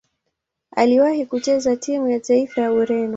Aliwahi kucheza timu ya taifa ya Ureno.